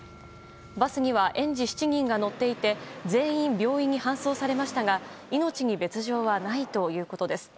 バスには園児７人が乗っていて全員、病院に搬送されましたが命に別条はないということです。